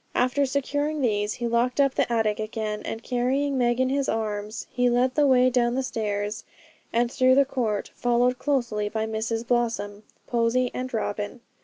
After securing these he locked up the attic again, and carrying Meg in his arms, he led the way down the stairs, and through the court, followed closely by Mrs Blossom, Posy, and Robin.